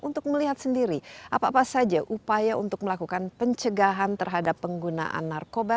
untuk melihat sendiri apa apa saja upaya untuk melakukan pencegahan terhadap penggunaan narkoba